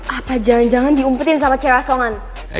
apa jangan jangan diumpetin sama cewek asongan